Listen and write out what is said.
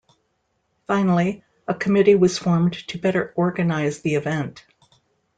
Finally, a committee was formed to better organise the event.